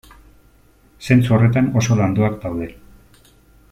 Zentzu horretan oso landuak daude.